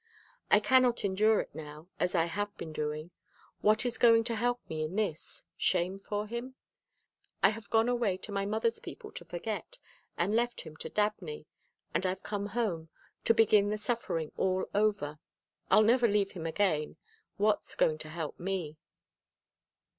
I cannot endure it now, as I have been doing. What is going to help me in this shame for him? I have gone away to my mother's people to forget and left him to Dabney, and I've come home to begin the suffering all over. I'll never leave him again. What's going to help me?